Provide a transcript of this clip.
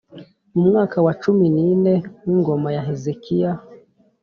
Mu mwaka wa cumi n’ine w’ingoma ya Hezekiya,